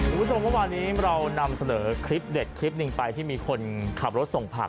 คุณผู้ชมเมื่อวานนี้เรานำเสนอคลิปเด็ดคลิปหนึ่งไปที่มีคนขับรถส่งผัก